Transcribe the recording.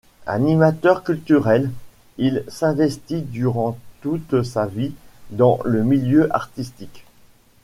Animateur culturel, il s’investit durant toute sa vie dans le milieu artistique.